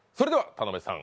田辺さん